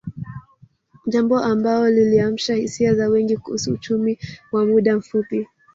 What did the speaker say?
Jambo ambao liliamsha hisia za wengi kuhusu uchumi wa muda mfupi